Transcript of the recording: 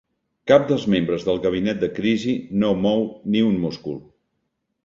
Cap dels membres del gabinet de crisi no mou ni un múscul.